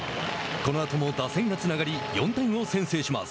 このあとも打線がつながり４点を先制します。